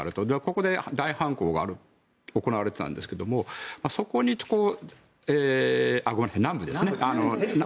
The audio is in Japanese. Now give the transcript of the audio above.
ここで大反攻が行われていたんですが南部ですね。